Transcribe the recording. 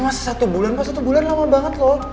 masih satu bulan pak satu bulan lama banget lho